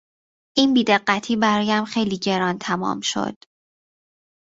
این بی دقتی برایم خیلی گران تمام شد.